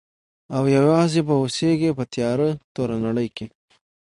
او یوازي به اوسیږي په تیاره توره نړۍ کي.